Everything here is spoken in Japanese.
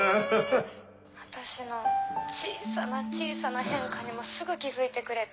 私の小さな小さな変化にもすぐ気付いてくれて。